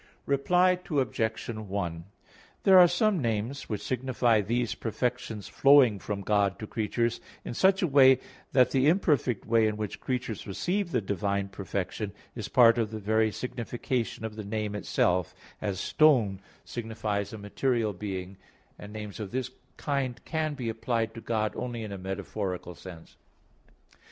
Reply Obj. 1: There are some names which signify these perfections flowing from God to creatures in such a way that the imperfect way in which creatures receive the divine perfection is part of the very signification of the name itself as "stone" signifies a material being, and names of this kind can be applied to God only in a metaphorical sense.